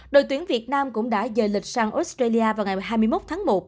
đội tuyển việt nam cũng đã rời lịch sang australia vào ngày hai mươi một tháng một